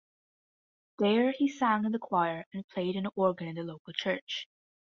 There, he sang in the choir and played an organ in the local church.